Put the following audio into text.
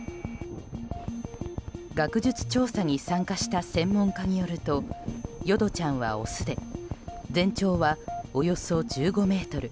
学術調査に参加した専門家によると淀ちゃんはオスで全長はおよそ１５ｍ。